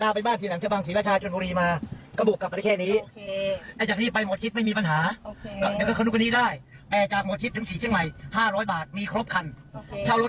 ถ้าแรกก็อยากจะมาตั้งแต่๗โมงเช้าเสร็จ